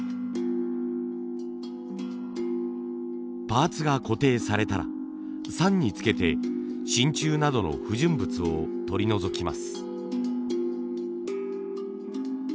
パーツが固定されたら酸につけて真鍮などの不純物を取り除きます。